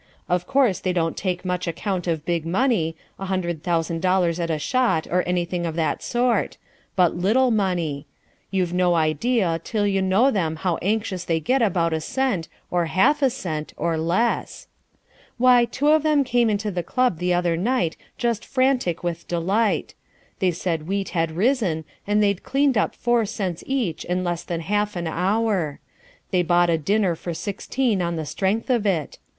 Of course they don't take much account of big money, a hundred thousand dollars at a shot or anything of that sort. But little money. You've no idea till you know them how anxious they get about a cent, or half a cent, or less. Why, two of them came into the club the other night just frantic with delight: they said wheat had risen and they'd cleaned up four cents each in less than half an hour. They bought a dinner for sixteen on the strength of it.